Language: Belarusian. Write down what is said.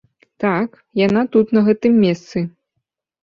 Так, яна тут на гэтым месцы.